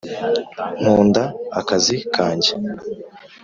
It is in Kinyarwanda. nkunda akazi kanjye